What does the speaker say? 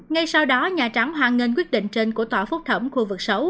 ngay sau đó nhà trắng hoan nghênh quyết định trên của tòa phúc thẩm khu vực sáu